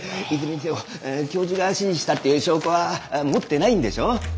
いずれにせよ教授が指示したっていう証拠は持ってないんでしょ？